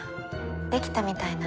できたみたいなの。